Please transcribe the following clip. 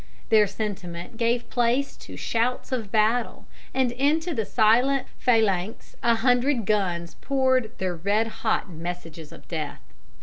Their sentiment gave place to shouts of battle, and into the silent phalanx a hundred guns poured their red hot messages of death.